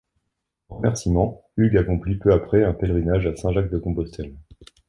En remerciement, Hugues accomplit peu après un pèlerinage à Saint-Jacques-de-Compostelle.